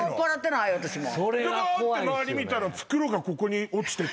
でばーって周り見たら袋がここに落ちてて。